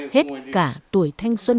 hết cả tuổi thanh xuân